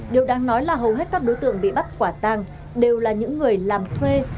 điều đáng nói là hầu hết các đối tượng bị bắt quả tang đều là những người làm thuê